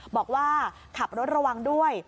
บอกว่าขับรถระวังด้วย